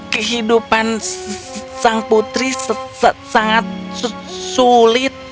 kehidupan sang putri sangat sulit